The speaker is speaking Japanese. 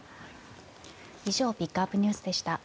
以上ピックアップＮＥＷＳでした。